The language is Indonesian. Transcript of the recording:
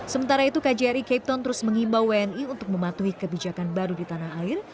sementara itu kjri cape town terus mengimbau wni untuk mematuhi kebijakan baru di tanah air